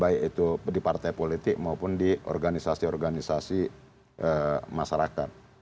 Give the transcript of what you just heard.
baik itu di partai politik maupun di organisasi organisasi masyarakat